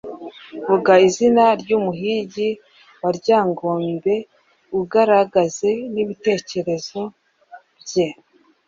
Vuga izina ry’umuhigi wa Ryangombe ugaragaze n’ibitekerezo bye